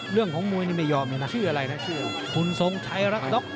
เรื่องของมวยนี่ไม่ยอมเลยนะชื่ออะไรนะชื่อคุณทรงชัยรักน็อก